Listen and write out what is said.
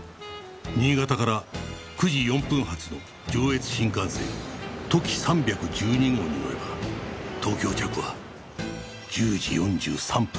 新潟から９時４分発の上越新幹線とき３１２号に乗れば東京着は１０時４３分だ。